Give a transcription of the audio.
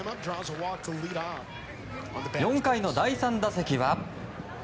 ４回の第３打席は。